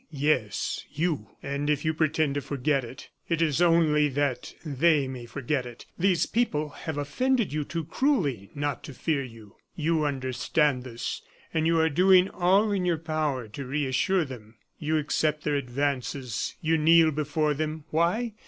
"Yes, you; and if you pretend to forget it, it is only that they may forget it. These people have offended you too cruelly not to fear you; you understand this, and you are doing all in your power to reassure them. You accept their advances you kneel before them why?